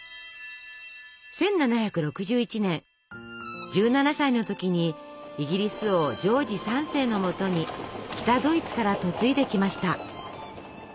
１７６１年１７歳の時にイギリス王ジョージ３世のもとに北ドイツから嫁いできました。